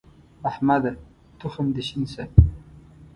احمده! تخم دې شين شه.